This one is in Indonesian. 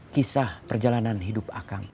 kisah perjalanan hidup akang